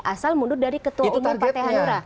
asal mundur dari ketua umum partai hanura